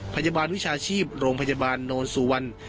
พยาบาลวิชาชีพโรงพยาบาลโนนสุวรรณ